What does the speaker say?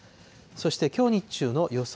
そしてきょう日中の予想